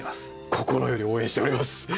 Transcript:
心より応援しております。